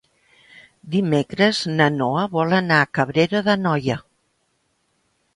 Dimecres na Noa vol anar a Cabrera d'Anoia.